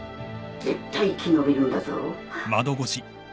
絶対生き延びるんだぞ！